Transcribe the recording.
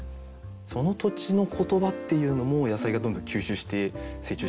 その土地の言葉っていうのも野菜がどんどん吸収して成長している。